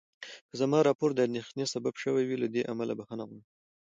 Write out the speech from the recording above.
که زما راپور د اندېښنې سبب شوی وي، له دې امله بخښنه غواړم.